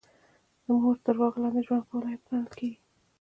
د مور تر واک لاندې ژوند کول عیب ګڼل کیږي